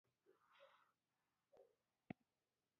د یوې ژوندۍ کیسې نوم دی.